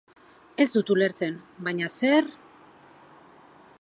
Ez du ulertzen, baina zer...